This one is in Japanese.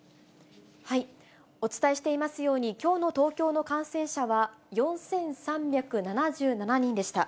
お伝えしていますように、きょうの東京の感染者は４３７７人でした。